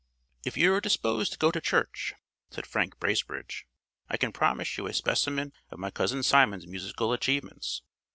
"If you are disposed to go to church," said Frank Bracebridge, "I can promise you a specimen of my cousin Simon's musical achievements.